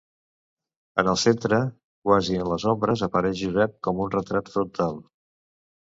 En el centre, quasi en les ombres, apareix Josep com un retrat frontal.